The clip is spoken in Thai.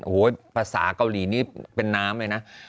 โอ้โหภาษาเกาหลีนี่เป็นน้ำเลยนะ